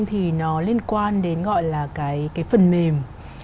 thì nó liên quan đến gọi là cái phần mềm